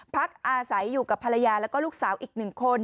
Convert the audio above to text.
พักอาศัยอยู่กับภรรยาแล้วก็ลูกสาวอีก๑คน